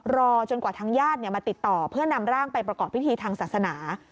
รอจนกว่าทางญาติมาติดต่อเพื่อนำร่างไปประกอบพิธีทางศาสนา